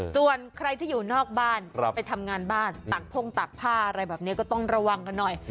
ส่วนใครที่อยู่นอกบ้านไปทำงานบ้านตักพ่งตักผ้าอะไรแบบนี้ก็ต้องระวังกันหน่อย